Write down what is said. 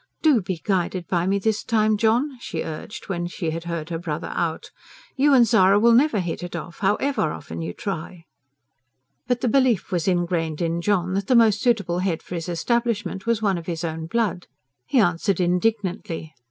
"DO be guided by me this time, John," she urged, when she had heard her brother out: "You and Zara will never hit it off, however often you try." But the belief was ingrained in John that the most suitable head for his establishment was one of his own blood. He answered indignantly.